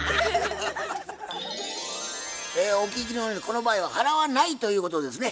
お聞きのようにこの場合は払わないということですね。